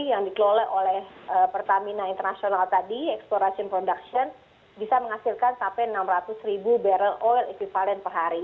yang dikelola oleh pertamina international tadi exploration production bisa menghasilkan sampai enam ratus ribu barrel oil equivalent per hari